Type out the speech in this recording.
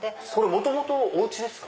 元々おうちですか？